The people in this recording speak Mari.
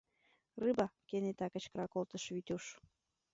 — Рыба! — кенета кычкырал колтыш Витюш.